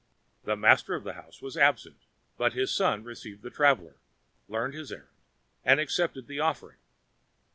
The master of the house was absent, but his son received the traveler, learned his errand, and accepted the offering.